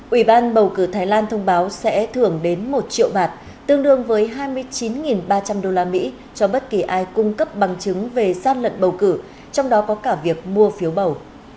ủy ban bầu cử thái lan thông báo sẽ thưởng đến một triệu bạt tương đương với hai mươi chín ba trăm linh usd cho bất kỳ ai cung cấp bằng chứng về sát lận bầu cử trong đó có cả việc mua phiếu bầu